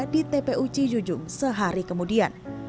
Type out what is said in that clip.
di tpuc jujung sehari kemudian